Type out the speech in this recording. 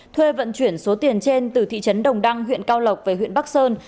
thuê vận chuyển số tiền trên từ thị trấn đồng đăng huyện cao lộc về huyện bắc sơn